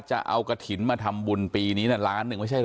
จะเอากระถิ่นมาทำบุญปีนี้ล้านหนึ่งไม่ใช่เห